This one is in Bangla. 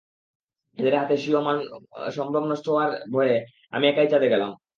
এদের হাতে স্বীয় মানসম্ভ্রম ভ্রষ্ট হওয়ার ভয়ে আমি একাই চাঁদে গেলাম।